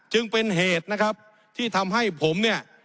จึงเป็นเหตุนะครับที่ทำให้ผมเนี่ย